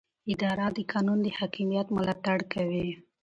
اداره د قانون د حاکمیت ملاتړ کوي.